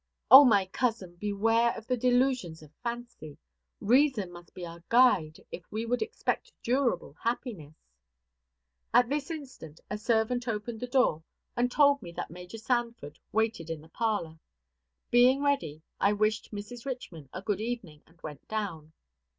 "O my cousin, beware of the delusions of fancy! Reason must be our guide if we would expect durable happiness." At this instant a servant opened the door, and told me that Major Sanford waited in the parlor. Being ready, I wished Mrs. Richman a good evening, and went down.